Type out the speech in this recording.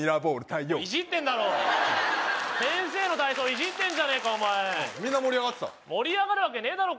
太陽イジってんだろ先生の体操イジってんじゃねえかお前みんな盛り上がってた盛り上がるわけねえだろ